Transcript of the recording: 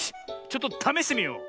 ちょっとためしてみよう。